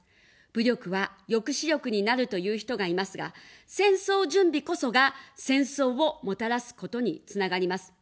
武力は抑止力になると言う人がいますが、戦争準備こそが、戦争をもたらすことにつながります。